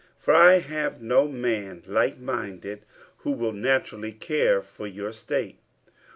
50:002:020 For I have no man likeminded, who will naturally care for your state.